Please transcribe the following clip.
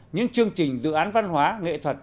những chương trình dự án văn hóa nghệ thuật